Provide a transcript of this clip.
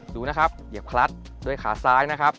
ดูนะครับเหยียบคลัดด้วยขาซ้ายนะครับ